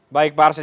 baik pak arsya